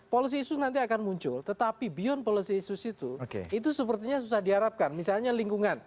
policy isu nanti akan muncul tetapi beyond policy isus itu itu sepertinya susah diharapkan misalnya lingkungan